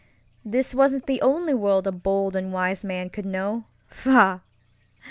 This wasn't the only world a bold and wise man could knowŌĆöfaugh!